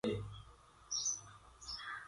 سيلينڊر اوچتو لپٽ ڪآڙدو هي۔